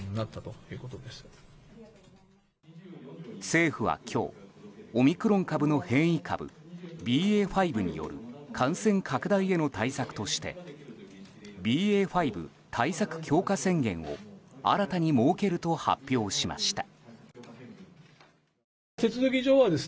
政府は今日オミクロン株の変異株ＢＡ．５による感染拡大への対策としてＢＡ．５対策強化宣言を新たに設けると発表しました。